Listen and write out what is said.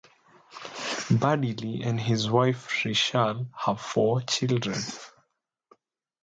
Baddeley and his wife Richelle have four children.